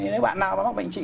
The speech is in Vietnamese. nếu bạn nào có bệnh trí